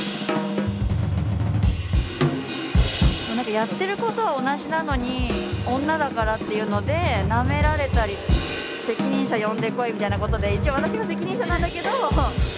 やってることは同じなのに女だからっていうのでナメられたり「責任者呼んで来い」みたいなことで一応私が責任者なんだけど。